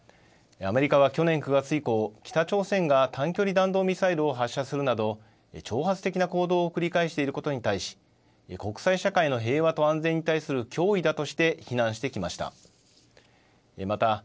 アメリカは去年９月以降、北朝鮮が短距離弾道ミサイルを発射するなど挑発的な行動を繰り返していることに対し国際社会の平和と安全に対する脅威だとして非難してきました。